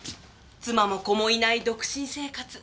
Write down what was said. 妻も子もいない独身生活。